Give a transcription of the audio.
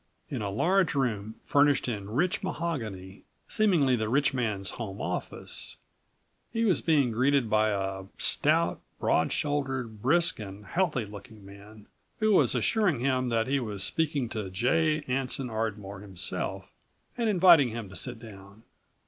In a large room furnished in rich mahogany, seemingly the rich man's home office, he was being greeted by a stout, broad shouldered, brisk and healthy looking man who was assuring him that he was speaking to J. Anson Ardmore himself and inviting him to sit down.